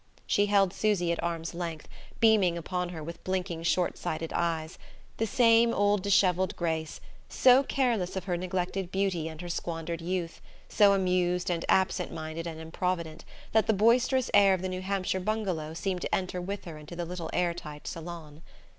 She held Susy at arms' length, beaming upon her with blinking short sighted eyes: the same old dishevelled Grace, so careless of her neglected beauty and her squandered youth, so amused and absent minded and improvident, that the boisterous air of the New Hampshire bungalow seemed to enter with her into the little air tight salon.